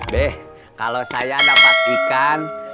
beh kalau saya dapat ikan